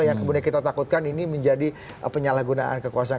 yang kemudian kita takutkan ini menjadi penyalahgunaan kekuasaan